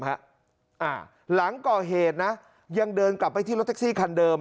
หลังก่อเหตุนะยังเดินกลับไปที่รถแท็กซี่คันเดิม